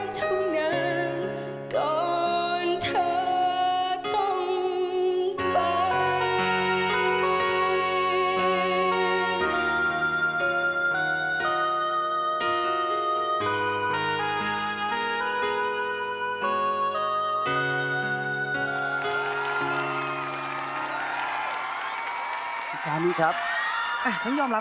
ฉันเองไม่เคยรู้